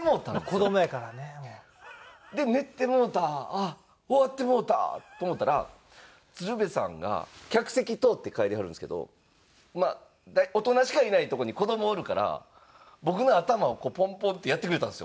子どもやからね。で寝てもうたあっ終わってもうたと思ったら鶴瓶さんが客席通って帰りはるんですけど大人しかいない所に子どもおるから僕の頭をこうぽんぽんってやってくれたんですよ。